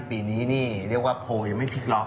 ปีนี้นี่เรียกว่าโพลยังไม่พลิกล็อก